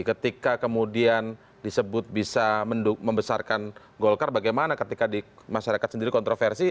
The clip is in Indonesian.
ketika kemudian disebut bisa membesarkan golkar bagaimana ketika di masyarakat sendiri kontroversi